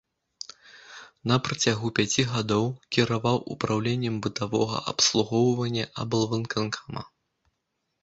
На працягу пяці гадоў кіраваў упраўленнем бытавога абслугоўвання аблвыканкама.